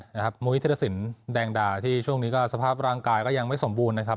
มุยธิรสินแดงดาที่ช่วงนี้ก็สภาพร่างกายก็ยังไม่สมบูรณ์นะครับ